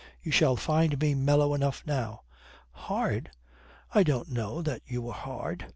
You shall find me mellow enough now." "Hard? I don't know that you were hard.